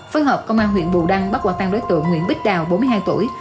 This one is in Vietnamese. phối hợp công an huyện bù đăng bắt quả tăng đối tượng nguyễn bích đào bốn mươi hai tuổi